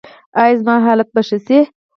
ایا زما حالت به ښه شي؟